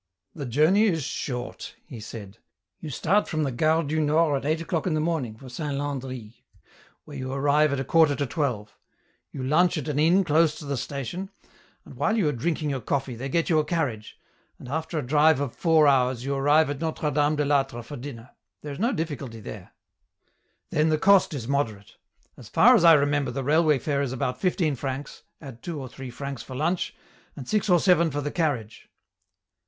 " The journey is short," he said. " You start from the Gare du Nord at eight o'clock in the morning for Saint Landry, where you arrive at a quarter to twelve ; you lunch at an inn close to the station, and while you are drinking your coffee they get you a carriage, and after a drive of four hours you arrive at Notre Dame de I'Atre for dinner. There is no diflSculty there. 126 F.N ROUTE. " Then the cost is moderate. As far as I remember the railway fare is about fifteen francs, add two or three francs for lunch, and six or seven for the carriage